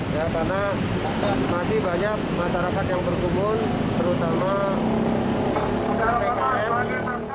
karena masih banyak masyarakat yang berkubun terutama bkm